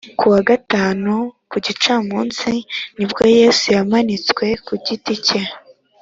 Ku wa Gatanu ku gicamunsi ni bwo Yesu yamanitswe ku giti cye